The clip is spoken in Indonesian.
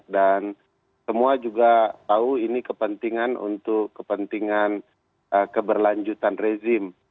dan semua juga tahu ini kepentingan untuk kepentingan keberlanjutan rezim